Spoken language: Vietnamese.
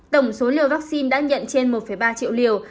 tổng số liều vaccine đã nhận trên một ba triệu liều